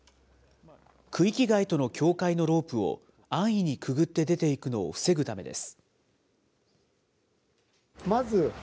区域外との境界のロープを安易にくぐって出ていくのを防ぐためです。